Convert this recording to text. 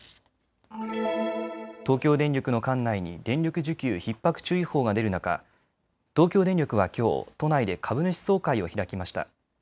東京電力の管内に電力需給ひっ迫注意報が出る中、東京電力はきょう都内で株主総会を開きました。